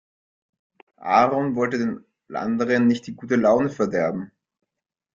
Aaron wollte den anderen nicht die gute Laune verderben.